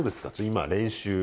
今練習。